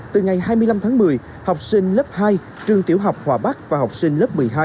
từ ngày hai mươi năm tháng một mươi học sinh lớp hai trường tiểu học hòa bắc và học sinh lớp một mươi hai